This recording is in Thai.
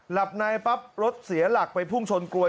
หลับในปั๊บรถเสียหลักไปพุ่งชนกลวย